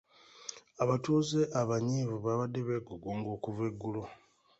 Abatuuze abanyiivu babadde beegugunga okuva eggulo.